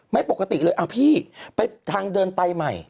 ไม่ปกติเลยเอาพี่ไปทางเดินไตใหม่